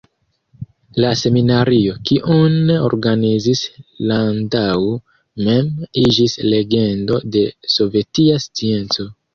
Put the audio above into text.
La seminario, kiun organizis Landau, mem iĝis legendo de sovetia scienco.